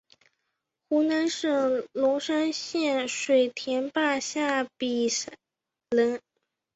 湖南省龙山县水田坝下比寨人。